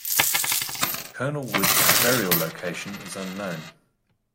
Colonel Wood's burial location is unknown.